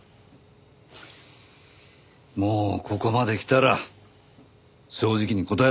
もうここまできたら正直に答えろ。